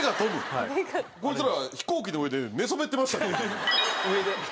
こいつら飛行機の上で寝そべってましたっけ？